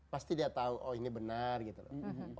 pasti dia tahu oh ini benar gitu loh